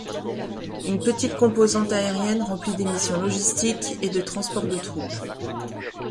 Une petite composante aérienne remplit des missions logistiques et de transport de troupes.